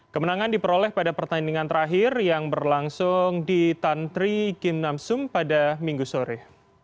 kemenangan diperoleh pada pertandingan terakhir yang berlangsung di tantri kim namsung pada minggu sore